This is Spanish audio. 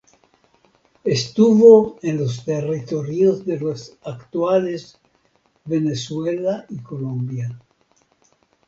Estuvo en los territorios de las actuales Venezuela y Colombia.